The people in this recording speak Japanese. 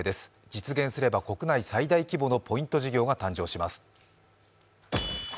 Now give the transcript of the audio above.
実現すれば国内最大規模のポイント事業が誕生します。